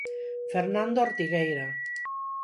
Fernando Ortigueira.